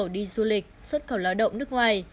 đi du lịch xuất khẩu lao động nước ngoài